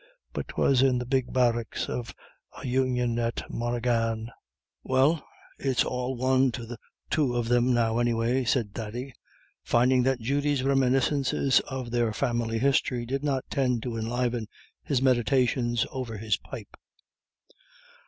But 'twas in the big barracks of a Union at Monaghan " "Well, it's all one to the two of thim now anyway," said Thady, finding that Judy's reminiscences of their family history did not tend to enliven his meditations over his pipe.